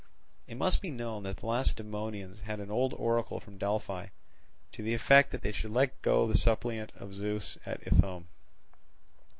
It must be known that the Lacedaemonians had an old oracle from Delphi, to the effect that they should let go the suppliant of Zeus at Ithome.